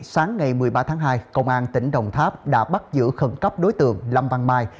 sáng ngày một mươi ba tháng hai công an tỉnh đồng tháp đã bắt giữ khẩn cấp đối tượng lâm văn mai